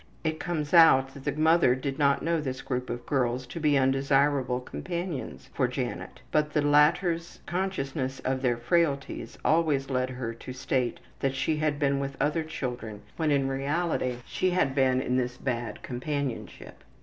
It comes out that the mother did not know this group of girls to be undesirable companions for Janet, but the latter's consciousness of their frailties always led her to state that she had been with other children when in reality she had been in this bad companionship.